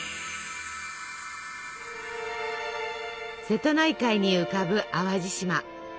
瀬戸内海に浮かぶ淡路島。